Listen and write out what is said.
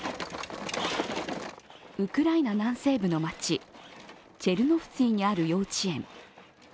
ウクライナ南西部の街チェルノフツィにある幼稚園。